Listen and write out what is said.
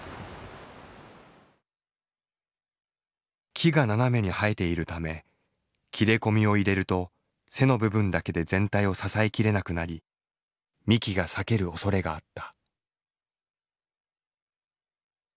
木が斜めに生えているため切れ込みを入れると背の部分だけで全体を支えきれなくなり幹が裂ける恐れがあった。